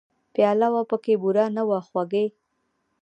پیاله وه پکې بوره نه وه خوږې !